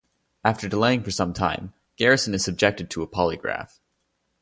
After delaying for some time, Garrison is subjected to a polygraph.